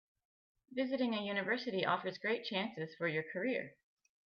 Visiting a university offers great chances for your career.